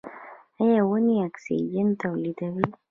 ایا ونې اکسیجن تولیدوي؟